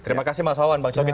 terima kasih mas wawan bang cokit